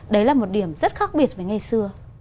đấy là một điểm rất khác biệt với ngày xưa